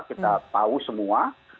kita tahu semua